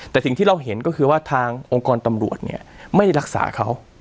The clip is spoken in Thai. แต่สิ่งที่เราเห็นก็คือว่าทางองค์กรตำรวจเนี่ยไม่ได้รักษาเขา